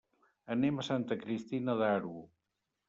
Anem a Santa Cristina d'Aro.